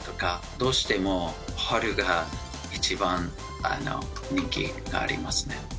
どうしても春が一番人気ありますね。